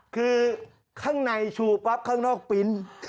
คือข้างในชูปั๊บข้างนอกปิ๊น